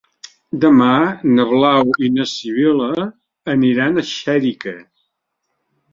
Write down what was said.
Demà na Blau i na Sibil·la aniran a Xèrica.